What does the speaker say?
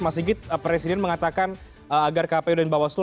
mas sigit presiden mengatakan agar kpu dan bawaslu